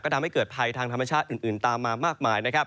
ทำให้เกิดภัยทางธรรมชาติอื่นตามมามากมายนะครับ